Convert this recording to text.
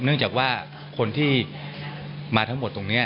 เนื่องจากว่าคนที่มาทั้งหมดตรงนี้